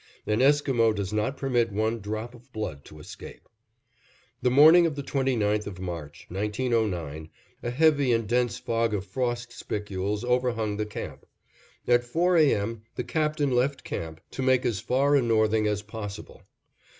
An Esquimo does not permit one drop of blood to escape. The morning of the 29th of March, 1909, a heavy and dense fog of frost spicules overhung the camp. At four A. M., the Captain left camp to make as far a northing as possible.